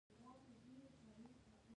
هغوی دغه راز د غوره زده کړو څخه برخمن وي.